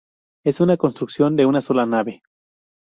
Es una construcción de una sola nave.